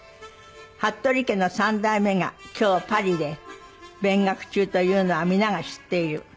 「服部家の３代目が今日パリで勉学中というのは皆が知っている」